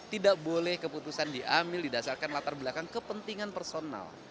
tidak boleh keputusan diambil didasarkan latar belakang kepentingan personal